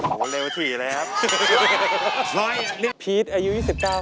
เป็นเชฟใช่ไหม